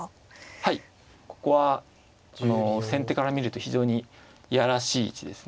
はいここは先手から見ると非常に嫌らしい位置ですね。